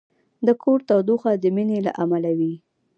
د کور تودوخه د مینې له امله وي.